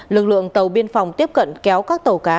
lực lượng tàu biên phòng tiếp cận kéo các tàu cá